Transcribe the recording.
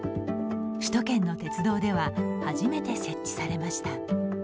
首都圏の鉄道では初めて設置されました。